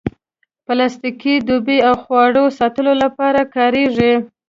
پلاستيکي ډبې د خواړو ساتلو لپاره کارېږي.